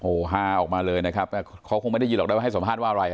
โอ้โหฮาออกมาเลยนะครับเขาคงไม่ได้ยินหรอกได้ว่าให้สัมภาษณ์ว่าอะไร